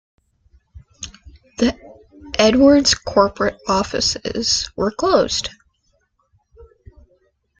The Edwards corporate offices were closed.